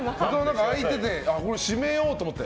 開いてて閉めようと思って。